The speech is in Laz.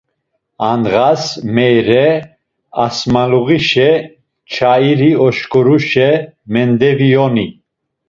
Andğas, Meyre Asmaluğişe nçairi oşǩoruşe mendeviyoni.